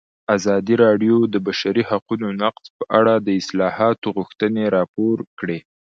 ازادي راډیو د د بشري حقونو نقض په اړه د اصلاحاتو غوښتنې راپور کړې.